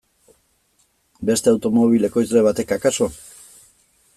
Beste automobil ekoizle batek akaso?